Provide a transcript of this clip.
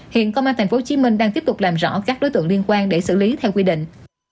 hiện công an tp hcm đang tiếp tục làm rõ các đối tượng liên quan để xử lý theo quy định